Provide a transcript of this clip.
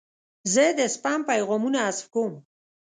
زه د سپیم پیغامونه حذف کوم.